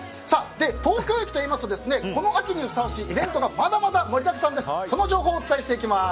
東京駅といいますとこの秋にふさわしいイベントがまだまだ盛りだくさんです。